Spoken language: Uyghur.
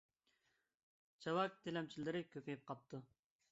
چاۋاك تىلەمچىلىرى كۆپىيىپ قاپتۇ.